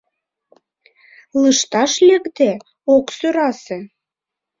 Лышташ лекде ок сӧрасе.